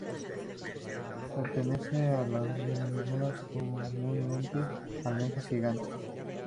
Pertenece a las denominadas comúnmente almejas gigantes.